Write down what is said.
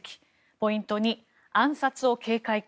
ポイント２、暗殺を警戒か。